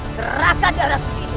serahkan darah suci ini